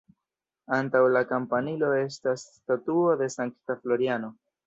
Antaŭ la kampanilo estas statuo de Sankta Floriano.